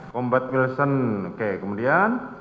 combat wilson oke kemudian